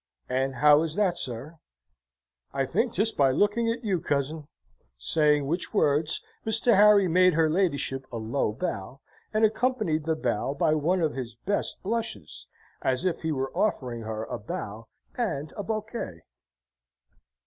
"And how is that, sir?" "I think 'tis by looking at you, cousin;" saying which words, Mr. Harry made her ladyship a low bow, and accompanied the bow by one of his best blushes, as if he were offering her a bow and a bouquet.